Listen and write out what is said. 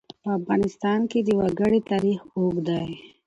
په افغانستان کې د وګړي تاریخ اوږد دی.